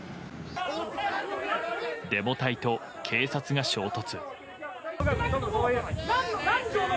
デモ隊と警察が衝突。